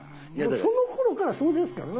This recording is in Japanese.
そのころからそうですからね。